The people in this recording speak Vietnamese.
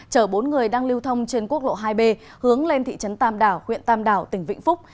chở bốn người đang lưu thông trên quốc lộ hai b hướng lên thị trấn tam đảo huyện tam đảo tỉnh vĩnh phúc